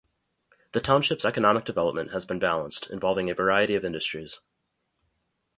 The township's economic development has been balanced, involving a variety of industries.